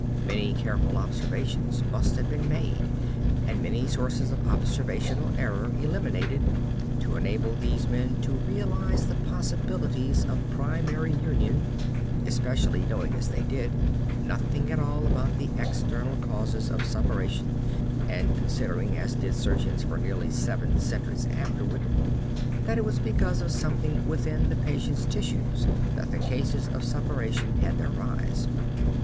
Many careful observations must have been made and many sources of observational error eliminated to enable these men to realize the possibilities of primary union, especially, knowing as they did, nothing at all about the external causes of suppuration and considering, as did surgeons for nearly seven centuries afterward, that it was because of something within the patient's tissues that the cases of suppuration had their rise.